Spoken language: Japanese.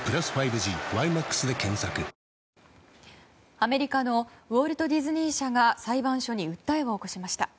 アメリカのウォルト・ディズニー社が裁判所に訴えを起こしました。